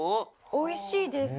おいしいです。